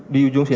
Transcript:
di ujung sini